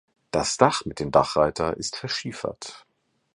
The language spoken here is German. Das Dach mit dem Dachreiter ist verschiefert.